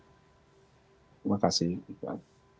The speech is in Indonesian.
terima kasih iqbal